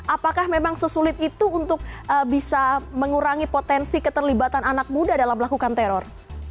apakah memang sesulit itu untuk bisa mengurangi potensi keterlibatan anak muda dalam melakukan teror